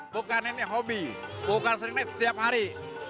bukan ini hobi bukan sering nit setiap hari